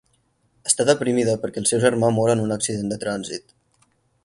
Està deprimida perquè el seu germà mor en un accident de trànsit.